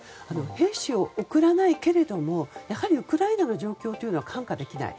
兵士を送らないけれどもやはりウクライナの状況は看過できない。